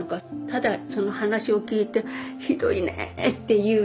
ただその話を聞いてひどいねって言う。